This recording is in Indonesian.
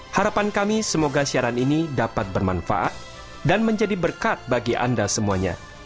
harapan kami semoga siaran ini dapat bermanfaat dan menjadi berkat bagi anda semuanya